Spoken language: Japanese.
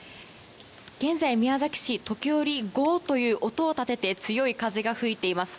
現在、宮崎市時折ゴーという音を立てて強い風が吹いています。